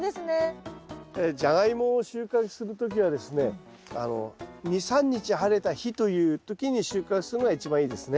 ジャガイモを収穫する時はですね２３日晴れた日という時に収穫するのが一番いいですね。